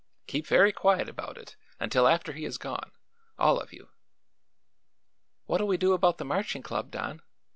Keep very quiet about it until after he has gone all of you." "What'll we do about the Marching Club, Don?"